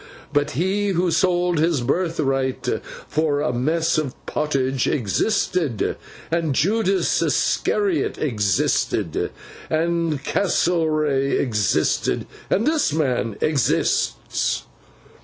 But he who sold his birthright for a mess of pottage existed, and Judas Iscariot existed, and Castlereagh existed, and this man exists!